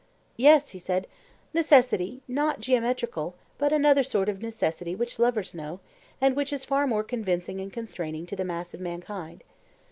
Yes, he said;—necessity, not geometrical, but another sort of necessity which lovers know, and which is far more convincing and constraining to the mass of mankind.